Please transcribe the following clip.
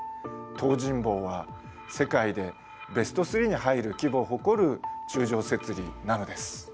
東尋坊は世界でベスト３に入る規模を誇る柱状節理なのです。